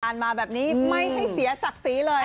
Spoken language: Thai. มาแบบนี้ไม่ให้เสียศักดิ์ศรีเลย